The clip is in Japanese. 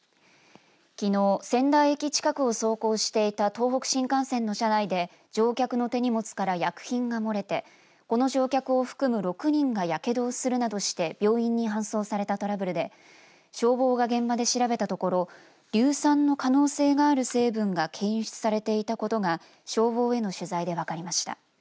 きのう仙台駅近くを走行していた東北新幹線の車内で乗客の手荷物から薬品が漏れてこの乗客を含む６人がやけどをするなどして病院に搬送されたトラブルで消防が現場で調べたところ硫酸の可能性がある成分が検出されていたことが消防への取材で分かりました。